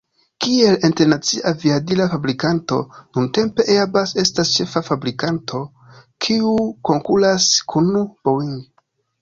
Kiel internacia aviadila fabrikanto, nuntempe Airbus estas ĉefa fabrikanto, kiu konkuras kun Boeing.